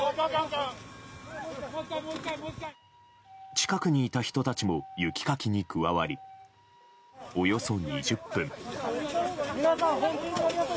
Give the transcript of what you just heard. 近くにいた人たちも雪かきに加わりおよそ２０分。